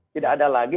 tidak ada lagi